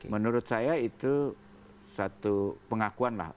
menurut saya itu satu pengakuan lah